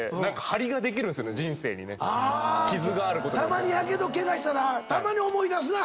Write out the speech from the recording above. たまにやけどケガしたらたまに思い出すな。